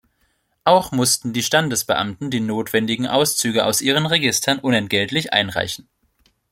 Auch mussten die Standesbeamten die notwendigen Auszüge aus ihren Registern unentgeltlich einreichen.